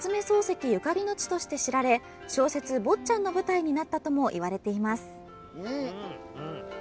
漱石ゆかりの地として知られ小説『坊っちゃん』の舞台になったともいわれています。